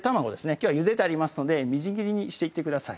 きょうはゆでてありますのでみじん切りにしていってください